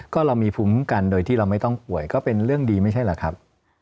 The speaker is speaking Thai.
ก็เรามีภูมิกันโดยที่เราไม่ต้องป่วยก็เป็นเรื่องดีไม่ใช่แหละครับ